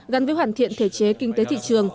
gắn với hoàn thiện thể chế kinh tế thị trường